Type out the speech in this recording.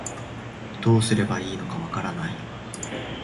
どうすればいいのかわからない